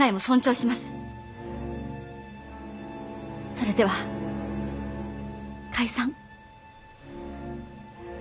それでは解散。